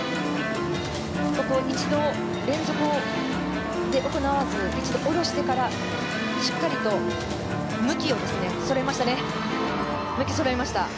ここ一度、連続で行わず一度下ろしてから、しっかりと向きをそろえましたね。